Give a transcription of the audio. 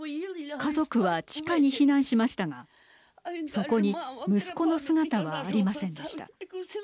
家族は地下に避難しましたがそこに息子の姿はありませんでした。